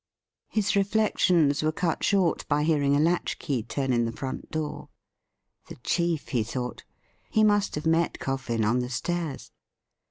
His reflections were cut short by hearing a latchkey turn in the front door. The chief, he thought. He must have met Coffin on the stairs.